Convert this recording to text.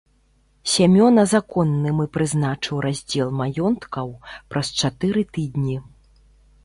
Сямёна законным і прызначыў раздзел маёнткаў праз чатыры тыдні.